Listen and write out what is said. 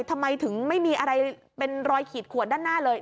ทำไมถึงไม่มีอะไรเป็นรอยขีดขวดด้านหน้าเลย